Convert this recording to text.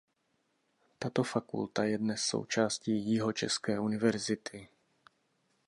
Tato fakulta je dnes součástí Jihočeské univerzity.